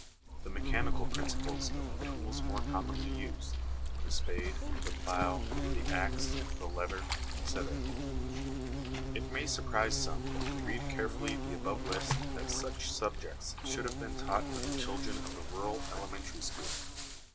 The mechanical principles of the tools more commonly used, the spade, the plough, the axe, the lever, etc." " It may surprise some who read carefully the above list that such subjects should have been taught to the children of a rural elementary school.